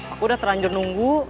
aku udah teranjur nunggu